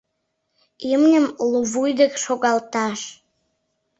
Имньым лувуй дек шогалташ.